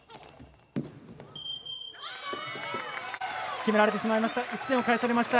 決められてしまいました。